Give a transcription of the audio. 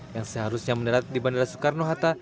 yang seharusnya mendarat di bandara soekarno hatta